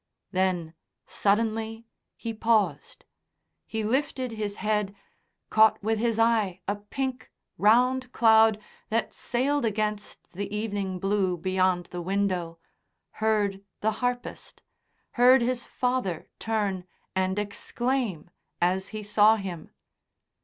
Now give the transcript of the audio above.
Then suddenly he paused. He lifted his head, caught with his eye a pink, round cloud that sailed against the evening blue beyond the window, heard the harpist, heard his father turn and exclaim, as he saw him.